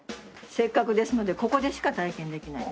せっかくですのでここでしか体験できない。